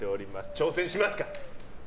挑戦しますか？